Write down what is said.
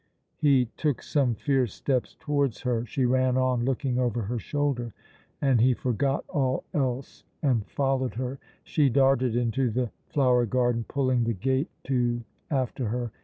He took some fierce steps towards her. She ran on, looking over her shoulder, and he forgot all else and followed her. She darted into the flower garden, pulling the gate to after her.